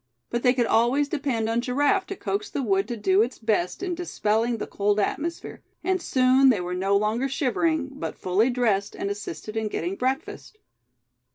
But they could always depend on Giraffe to coax the wood to do its best in dispelling the cold atmosphere; and soon they were no longer shivering, but fully dressed, and assisted in getting breakfast.